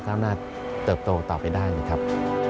ก็อำนาจเติบโตต่อไปได้นะครับ